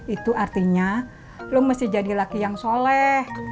itu artinya lo mesti jadi laki yang soleh